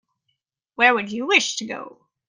Where would you wish to go?